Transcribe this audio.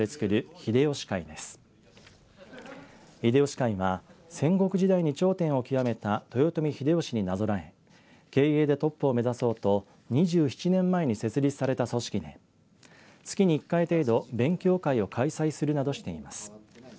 秀吉会は戦国時代に頂点を極めた豊臣秀吉なぞらえ経営でトップを目指そうと２７年前に設立された組織で月に１回程度、勉強会を開催するなどしています。